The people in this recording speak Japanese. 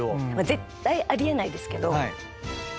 絶対あり得ないですけど。